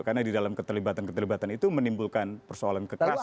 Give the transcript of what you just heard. keterlibatan keterlibatan itu menimbulkan persoalan kekerasan